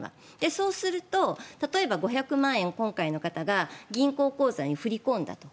そうすると例えば５００万円、今回の方が銀行口座に振り込んだと。